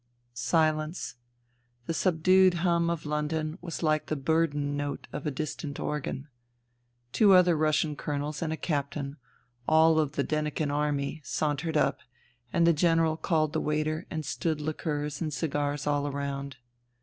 Silence. The subdued hum of London was hke the burden note of a distant organ. Two other Russian Colonels and a Captain, all of the Denikin Army, sauntered up, and the General called the waiter NINA 229 and stood liqueurs and cigars all round.